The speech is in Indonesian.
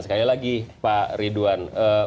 sekali lagi pak ridwan